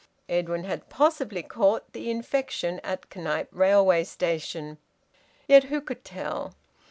Edwin had possibly caught the infection at Knype Railway Station: yet who could tell?